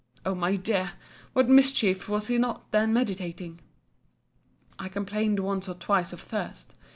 —O my dear! what mischief was he not then meditating! I complained once or twice of thirst.